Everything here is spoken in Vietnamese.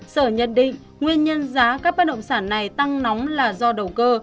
sở nhận định nguyên nhân giá các bất động sản này tăng nóng là do đầu cơ